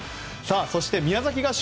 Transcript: そして、宮崎合宿